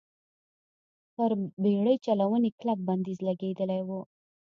پر بېړۍ چلونې کلک بندیز لګېدلی و.